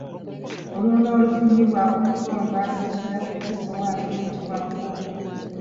Olunwe olufunyibwa okukomba ekibya oba essowaani luyitibwa nkuku.